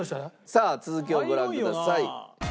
さあ続きをご覧ください。